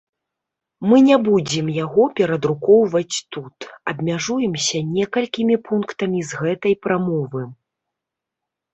Мы не будзем яго перадрукоўваць тут, абмяжуемся некалькімі пунктамі з гэтай прамовы.